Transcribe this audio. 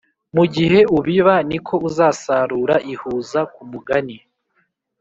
mugihe ubiba niko uzasarura ihuza kumugan